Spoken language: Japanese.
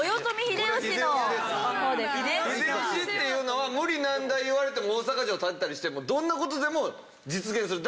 秀吉っていうのは無理難題言われても大坂城建てたりしてもうどんな事でも実現する。